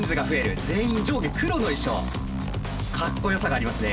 かっこよさがありますね。